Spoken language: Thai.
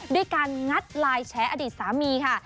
ด้วยการงัดไลน์แฉอดีตสามีค่ะ